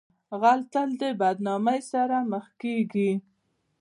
غل تل د بدنامۍ سره مخ کیږي